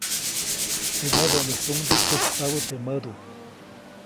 Teʼ mäbäʼnisuŋde tsyäjkpabä teʼ mädu.